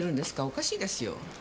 おかしいですよ。